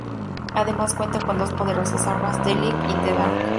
Además cuenta con dos poderosas armas "the light" y "the dark".